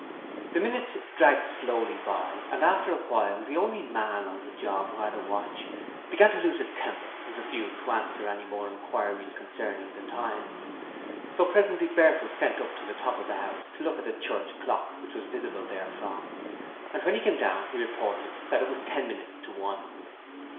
The minutes dragged slowly by, and after a while the only man on the job who had a watch began to lose his temper and refused to answer any more inquiries concerning the time. So presently Bert was sent up to the top of the house to look at a church clock which was visible therefrom, and when he came down he reported that it was ten minutes to one.